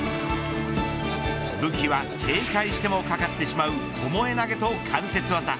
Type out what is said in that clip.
武器は、警戒してもかかってしまう、ともえ投げと関節技。